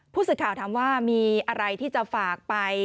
ผู้สื่อข่าวถามว่ามีอะไรที่จะฝากไป